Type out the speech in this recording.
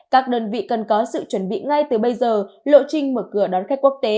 các đơn vị cần có sự chuẩn bị ngay từ bây giờ lộ trình mở cửa đón khách quốc tế